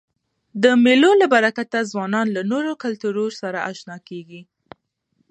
د مېلو له برکته ځوانان له نورو کلتورو سره اشنا کيږي.